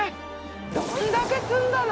どんだけ積んだの？